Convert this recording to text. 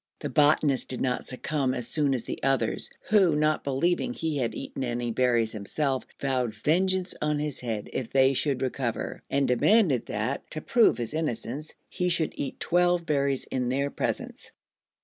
The botanist did not succumb as soon as the others, who, not believing he had eaten any berries himself, vowed vengeance on his head if they should recover, and demanded that, to prove his innocence, he should eat twelve berries in their presence.